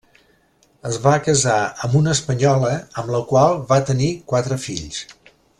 Es va casar amb una espanyola, amb la qual va tenir quatre fills.